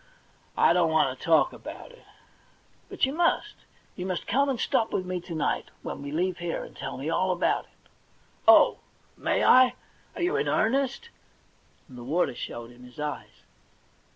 I don't want to talk about it.' *But you must. You must come and stop with me to night, when we leave here, and tell me all about it.' * Oh, may I ? Are you in earnest ?' and the water showed in his eyes.